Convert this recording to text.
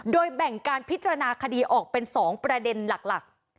โดยแบ่งการพิจารณาคดีออกเป็น๒ประเด็นหลัก